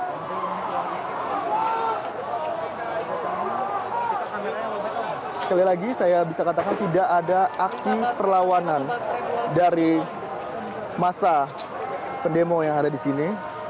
sekali lagi saya bisa katakan tidak ada aksi perlawanan dari masa pendemo yang ada di sini